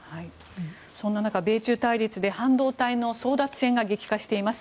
そんな中、米中対立で半導体の争奪戦が激化しています。